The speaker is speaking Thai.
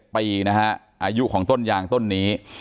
ปีนะฮะอายุของต้นยางต้นนี้